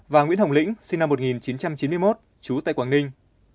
và nguyễn hồng lĩnh sinh năm một nghìn chín trăm chín mươi một trú tại quảng ninh